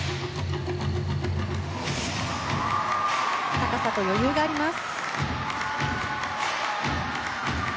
高さと余裕があります。